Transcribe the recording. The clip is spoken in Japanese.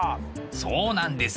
そうなんです。